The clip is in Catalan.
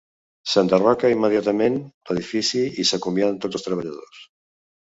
S'enderroca immediatament l'edifici i s'acomiaden tots els treballadors.